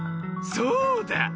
そうだ！